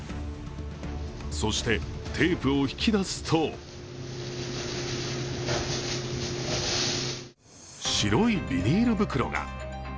そして、テープを引き出すと白いビニール袋が。